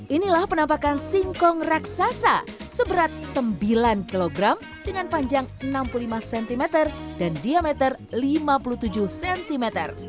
inilah penampakan singkong raksasa seberat sembilan kg dengan panjang enam puluh lima cm dan diameter lima puluh tujuh cm